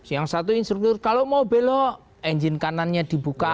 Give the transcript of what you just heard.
yang satu instruktur kalau mau belok engine kanannya dibuka